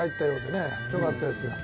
よかったですよ。